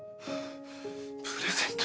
プレゼント？